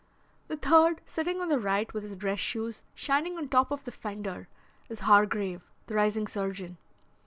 The third, sitting on the right with his dress shoes shining on the top of the fender, is Hargrave, the rising surgeon.